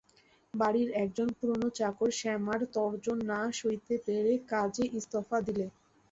বাড়ির একজন পুরোনো চাকর শ্যামার তর্জন না সইতে পেরে কাজে ইস্তফা দিলে।